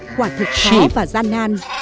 quả thực khóa và gian nan